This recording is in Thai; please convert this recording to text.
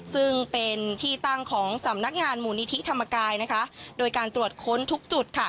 ซึ่งเป็นที่ตั้งของสำนักงานมูลนิธิธรรมกายนะคะโดยการตรวจค้นทุกจุดค่ะ